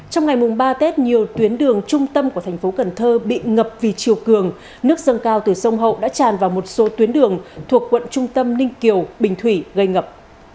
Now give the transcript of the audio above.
trong ngày mùng ba tết nhiều tuyến đường trung tâm của thành phố cần thơ bị ngập vì chiều cường nước dâng cao từ sông hậu đã tràn vào một số tuyến đường thuộc quận trung tâm ninh kiều bình thủy gây ngập